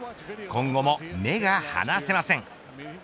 今後も目が離せません。